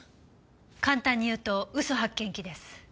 簡単に言うと嘘発見器です。